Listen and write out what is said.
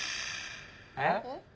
えっ？